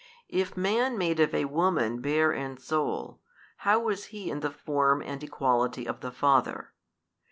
If man made of a woman bare and sole, |199 how was he in the Form and Equality of the Father?